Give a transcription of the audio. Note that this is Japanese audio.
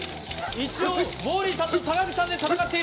一応、モーリーさんと坂口さんで戦っている！